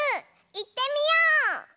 いってみよう！